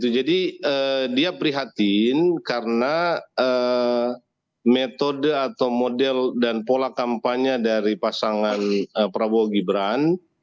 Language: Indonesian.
jadi dia prihatin karena metode atau model dan pola kampanye dari pasangan prabowo gibran